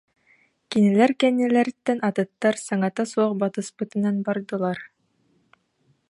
Кинилэр кэннилэриттэн атыттар саҥата суох батыспытынан бардылар